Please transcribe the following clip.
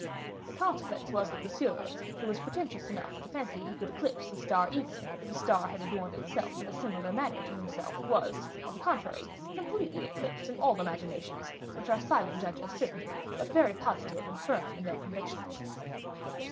The consequence was that Monsieur, who was pretentious enough to fancy he could eclipse a star even, if a star had adorned itself in a similar manner to himself, was, on the contrary, completely eclipsed in all imaginations, which are silent judges certainly, but very positive and firm in their convictions.